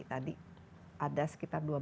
tadi ada sekitar dua belas ya